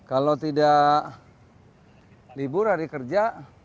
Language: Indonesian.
kalau tidak libur hari kerja